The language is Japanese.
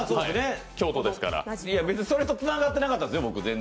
それとつながってなかったですよ、全然。